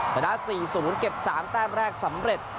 ชนะ๔๐เก็บ๓แต้มแรกสำเร็จ